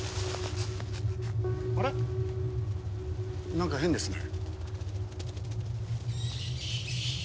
なんか変ですね。